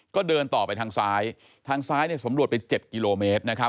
ก็เดินต่อไปทางซ้ายทางซ้ายสำรวจไป๗กิโลเมตร